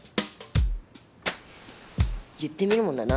言ってみるもんだな。